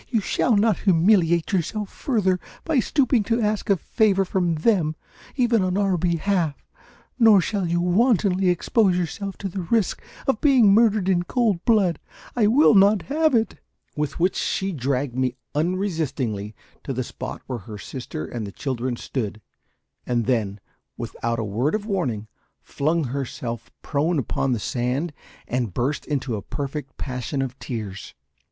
You shall not humiliate yourself further by stooping to ask a favour from them, even on our behalf; nor shall you wantonly expose yourself to the risk of being murdered in cold blood. I will not have it!" With which, she dragged me unresistingly to the spot where her sister and the children stood, and then, without a word of warning, flung herself prone upon the sand and burst into a perfect passion of tears.